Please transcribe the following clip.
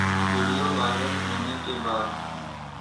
video viral ہونے کے بعد